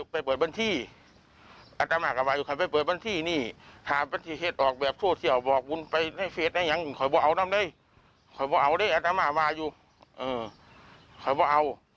ไปเปิดบัญชีอาจารย์ก็ว่าอยู่ค่ะไปเปิดบัญชีนี่หาบัญชีเหตุออกแบบโชว์เซียวบอกวุ้นไปให้เฟสได้ยังกินขอบอกเอานั่งเลยขอบอกเอาเลยอาจารย์มาอยู่เออขอบอกเอา